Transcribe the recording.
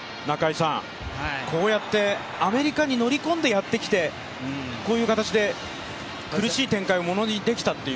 こうやってアメリカに乗り込んでやってきてこういう形で苦しい展開をものにできたという。